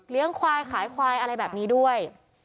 ควายขายควายอะไรแบบนี้ด้วย